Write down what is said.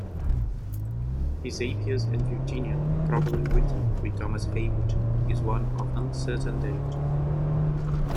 His "Appius and Virginia", probably written with Thomas Heywood, is of uncertain date.